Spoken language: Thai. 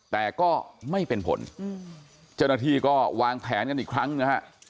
แต่ก็ไม่เป็นผลเจ้าหน้าที่ก็วางแผนกันอีกครั้งนะฮะ